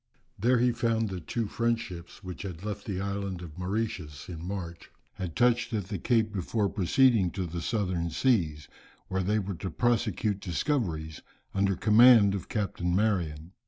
There he found that two French ships, which had left the island of Mauritius in March, had touched at the Cape before proceeding to the southern seas where they were to prosecute discoveries, under command of Captain Marion.